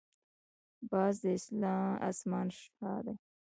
باز د اسمان شاه دی